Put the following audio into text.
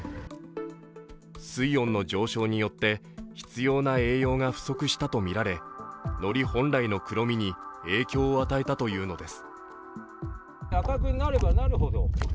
水温の上昇によって、必要な栄養が不足したとみられ、のり本来の黒みに影響を与えたというのです。